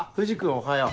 おはよう。